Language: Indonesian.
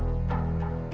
aku mau ke rumah